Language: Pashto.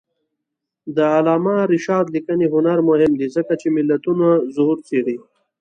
د علامه رشاد لیکنی هنر مهم دی ځکه چې ملتونو ظهور څېړي.